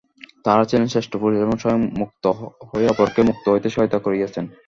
তাঁহারা ছিলেন শ্রেষ্ঠ পুরুষ, স্বয়ং মুক্ত হইয়া অপরকে মুক্ত হইতে সহায়তা করিয়াছেন।